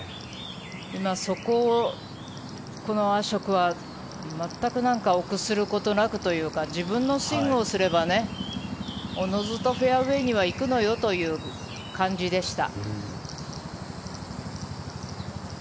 そこをアショクは全く臆することなくというか自分のスイングをすればおのずとフェアウェーには行くのよという感じでした。